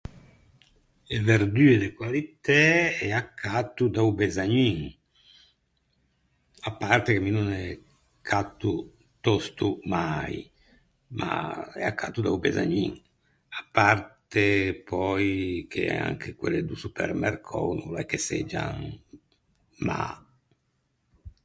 E verdue de qualitæ ê accatto da-o besagnin. À parte che mi no ne catto tòsto mai, ma ê accatto da-o besagnin. À parte pöi che anche quelle do supermercou no l’é che seggian mâ.